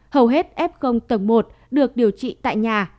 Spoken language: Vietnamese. hầu hết f tầng một được điều trị tại nhà